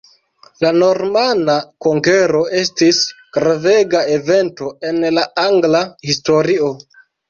La normana konkero estis gravega evento en la angla historio.